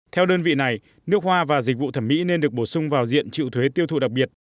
theo đơn vị này nước hoa và dịch vụ thẩm mỹ nên được bổ sung vào diện chịu thuế tiêu thụ đặc biệt